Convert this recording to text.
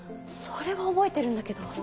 それは覚えてるんだけど。